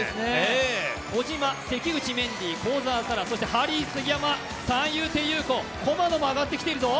小島、関口メンディー、幸澤沙良、そしてハリー杉山、三遊亭遊子、駒野も上がってきているぞ。